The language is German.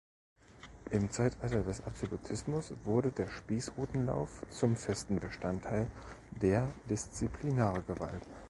Im Zeitalter des Absolutismus wurde der Spießrutenlauf zum festen Bestandteil der Disziplinargewalt.